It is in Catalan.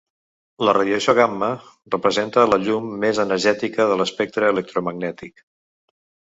La radiació gamma representa la «llum» més energètica de l’espectre electromagnètic.